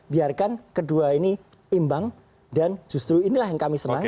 biarkan kedua ini imbang dan justru inilah yang kami senangi